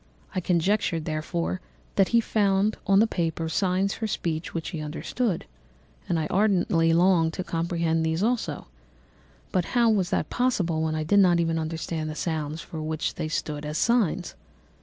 I conjectured, therefore, that he found on the paper signs for speech which he understood, and I ardently longed to comprehend these also; but how was that possible when I did not even understand the sounds for which they stood as signs?